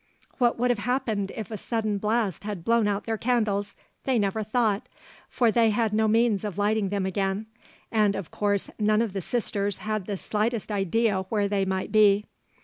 What would have happened if a sudden blast had blown out their candles, they never thought, for they had no means of lighting them again; and, of course, none of the Sisters had the slightest idea where they might be.